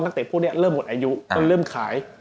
เตะพวกนี้เริ่มหมดอายุเริ่มขาย